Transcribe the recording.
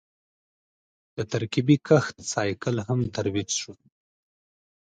د ترکیبي کښت سایکل هم ترویج شو.